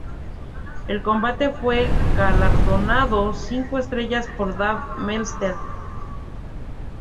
El combate fue galardonado cinco estrellas por Dave Meltzer.